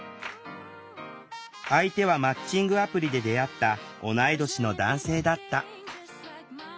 相手はマッチングアプリで出会った同い年の男性だった。